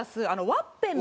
ワッペン！